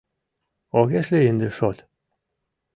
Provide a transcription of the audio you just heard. Огеш лий ынде шот!